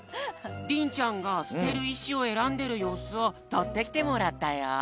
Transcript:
りんちゃんが捨てる石をえらんでるようすをとってきてもらったよ。